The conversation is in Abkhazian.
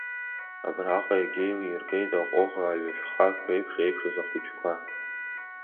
Абраҟа иагьеилиргеит аҟәыӷа аҩашәхак реиԥш еиԥшыз ахәыҷқәа…